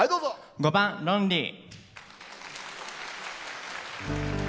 ５番「ロンリー」。